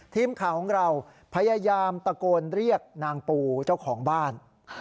ทีมข่าวของเราพยายามตะโกนเรียกนางปูเจ้าของบ้าน